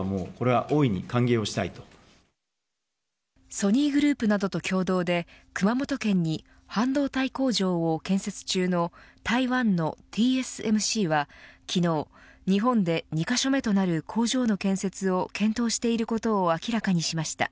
ソニーグループなどと共同で熊本県に半導体工場を建設中の台湾のＴＳＭＣは昨日、日本で２カ所目となる工場の建設を検討していることを明らかにしました。